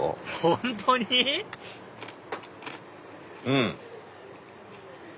本当に⁉うん。